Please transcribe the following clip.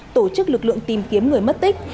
tổ chức lực lượng tìm kiếm người mất tích